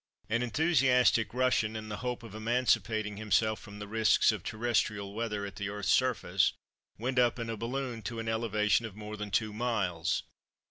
An enthusiastic Russian, in the hopes of emancipating himself from the risks of terrestrial weather at the Earth's surface, went up in a balloon to an elevation of more than two miles.